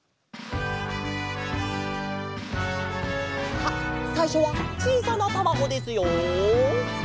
さあさいしょはちいさなたまごですよ。